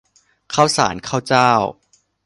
ข้าวสารข้าวเจ้า